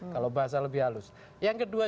kalau bahasa lebih halus yang kedua